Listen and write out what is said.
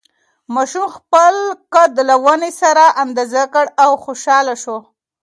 ماشوم خپل قد له ونې سره اندازه کړ او خوشحاله شو.